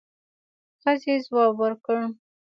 ښځې ځواب ورکړ.